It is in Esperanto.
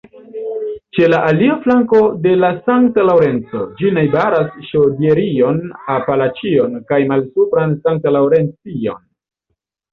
Ĉe la alia flanko de la Sankt-Laŭrenco, ĝi najbaras Ŝodierion-Apalaĉion kaj Malsupran Sankt-Laŭrencion.